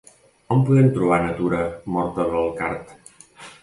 On podem trobar Natura morta del card?